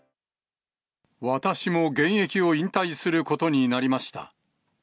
私も現役を引退することになりました。